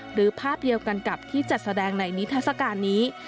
หรือภาพเดียวกันกับที่จัดแสดงในนิทัศกาลนี้